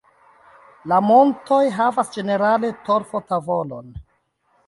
La montoj havas ĝenerale torfo-tavolon.